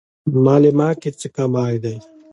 مالې ما کې څه کمی دی.